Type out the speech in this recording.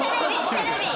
テレビ！